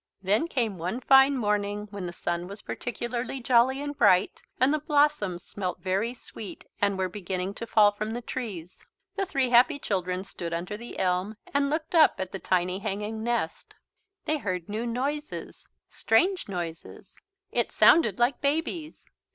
Then came one fine morning when the sun was particularly jolly and bright, and the blossoms smelt very sweet and were beginning to fall from the trees. The three happy children stood under the elm and looked up at the tiny hanging nest. They heard new noises, strange noises. It sounded like babies.